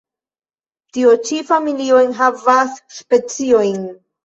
Tio ĉi familio enhavas speciojn.